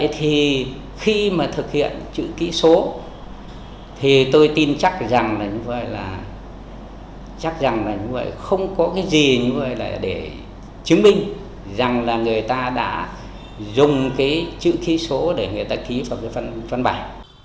thì khi mà thực hiện chữ ký số thì tôi tin chắc rằng là như vậy là chắc rằng là như vậy không có cái gì như vậy là để chứng minh rằng là người ta đã dùng cái chữ ký số để người ta ký vào cái văn bản